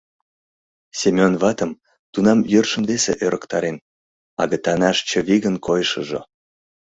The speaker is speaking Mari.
Семён ватым тунам йӧршын весе ӧрыктарен: агытанаш чывигын койышыжо.